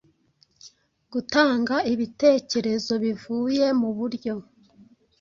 gutanga ibitekerezo bivuye muburyo